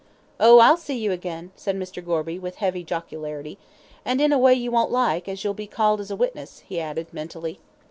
"Oh, I'll see you again," said Mr. Gorby, with heavy jocularity, "and in a way you won't like, as you'll be called as a witness," he added, mentally.